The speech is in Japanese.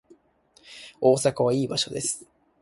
大阪はいい場所です